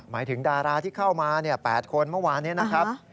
หมายถึงดาราที่เข้ามา๘คนเมื่อวานนี้นะครับ